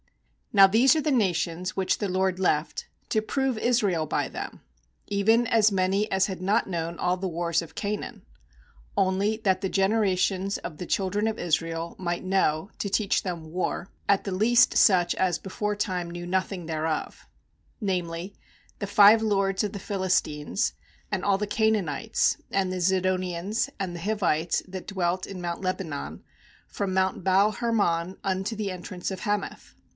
Q Now these are the nations which the LORD left, to prove Israel by them, even as many as had not known all the wars of Canaan; 2only that the generations of the children of Israel * That is, Weepers, 295 3.2 JUDGES might know, to teach, them war, a the least such as beforetime knew nothing thereof; 3namely, the five lords of the Philistines, and all th Canaanites, and the Zidonians, anc the Hivites that dwelt in mount Lebanon, from mount Baal hermon unto the entrance of Hamath.